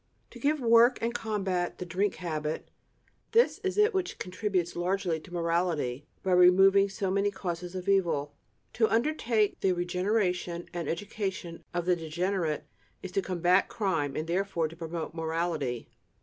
To give work and combat the drink habit this it is which contributes largely to morality by removing so many causes of evil. To undertake the regeneration and education of the degenerate, is to combat crime, and therefore to promote morality.